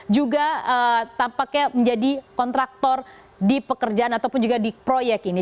juga tampaknya menjadi kontraktor di pekerjaan ataupun juga di proyek ini